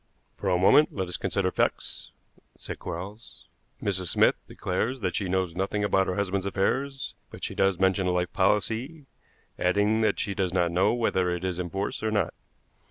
"For a moment let us consider facts," said Quarles. "Mrs. Smith declares that she knows nothing about her husband's affairs, but she does mention a life policy, adding that she does not know whether it is in force or not.